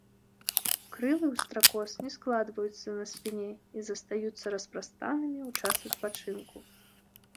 Крылы ў стракоз не складваюцца на спіне і застаюцца распрастанымі ў час адпачынку.